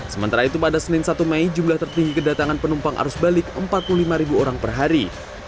sementara itu pada senin satu mei jumlah tertinggi kedatangan penumpang arus balik empat puluh lima ribu orang per hari